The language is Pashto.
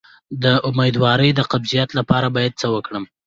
د امیدوارۍ د قبضیت لپاره باید څه وکړم؟